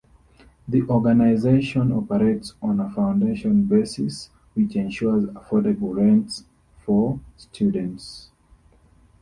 The organization operates on a foundation basis which ensures affordable rents for students.